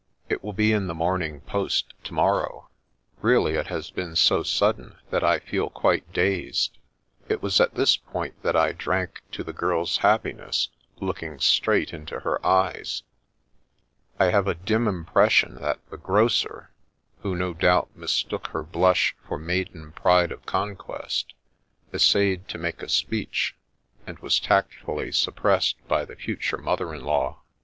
It will be in the Morning Post to morrow. Really, it has been so sudden that I feel quite dazed." It was at this point that I drank to the girl's hap piness, looking straight into her eyes. I have a dim impression that the grocer, who no doubt mistook her blush for maiden pride of con quest, essayed to make a speech, and was tactfully suppressed by the future mother in law.